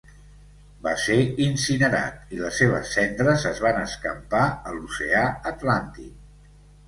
Va ser incinerat, i les seves cendres es van escampar a l'oceà Atlàntic.